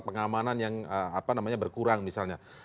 pengamanan yang berkurang misalnya